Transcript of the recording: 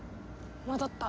戻った。